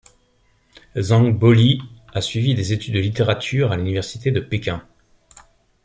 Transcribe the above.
Zhang Boli a suivi des études de littérature à l'université de Pékin.